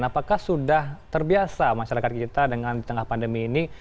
apakah sudah terbiasa masyarakat kita dengan di tengah pandemi ini